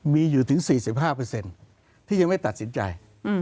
มีอยู่ถึง๔๕ที่ยังไม่ตัดสินใจ